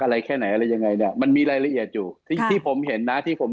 อะไรแค่ไหนอะไรยังไงเนี่ยมันมีรายละเอียดอยู่ที่ที่ผมเห็นนะที่ผม